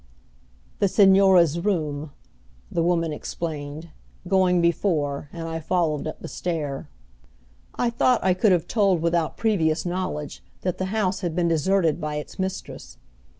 "The Señora's room," the woman explained, going before, and I followed up the stair. I thought I could have told without previous knowledge that the house had been deserted by its mistress.